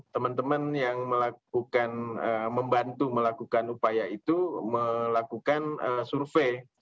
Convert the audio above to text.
teman teman yang melakukan membantu melakukan upaya itu melakukan survei